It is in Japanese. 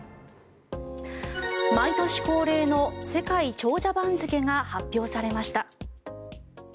毎年恒例の世界長者番付が発表されました。